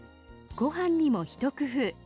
ご飯にも一工夫。